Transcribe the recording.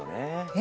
え？